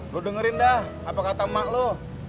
lo dengerin dah apa kata mak lo